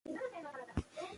موږ باید کتابونه ولولو.